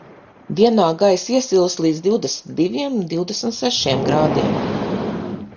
Dienā gaiss iesils līdz divdesmit diviem divdesmit sešiem grādiem.